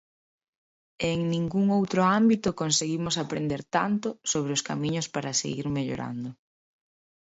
E en ningún outro ámbito conseguimos aprender tanto sobre os camiños para seguir mellorando.